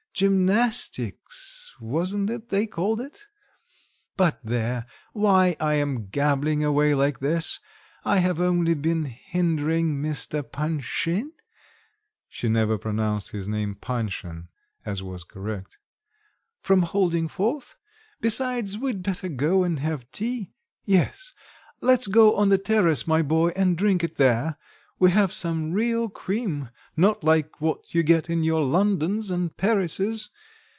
gymnastics, wasn't it they called it? But there, why I am gabbling away like this; I have only been hindering Mr. PanSHIN (she never pronounced his name PANshin as was correct) from holding forth. Besides, we'd better go and have tea; yes, let's go on to the terrace, my boy, and drink it there; we have some real cream, not like what you get in your Londons and Parises.